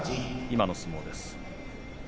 今の相撲です。